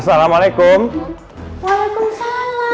setelah pak c isu